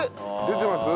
出てます？